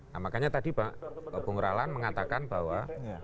nah makanya tadi bung ralan mengatakan bahwa